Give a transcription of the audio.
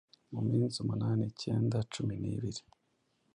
muminsi umunani, ikenda, cumi n’ibiri…